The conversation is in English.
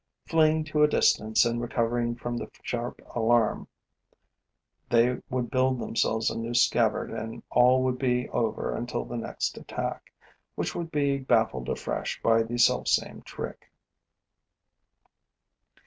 Fleeing to a distance and recovering from the sharp alarm, they would build themselves a new scabbard and all would be over until the next attack, which would be baffled afresh by the selfsame trick.